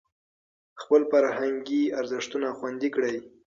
خپل فرهنګي ارزښتونه خوندي کړئ.